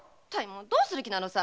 どうする気なのさ！